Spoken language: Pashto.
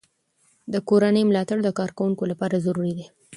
د کورنۍ ملاتړ د کارکوونکو لپاره ضروري دی.